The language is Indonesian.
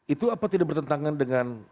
itu apa tidak bertentangan dengan